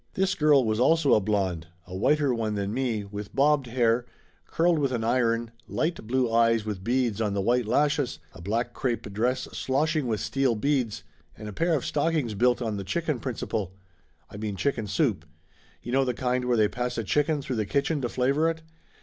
This girl was also a blonde a whiter one than me, with bobbed hair, curled with an iron, light blue eyes with beads on the white lashes, a black crepe dress sloshing with steel beads, and a pair of stockings built on the chicken principle. I mean chicken soup. You know the kind where they pass a chicken through the kitchen to flavor it?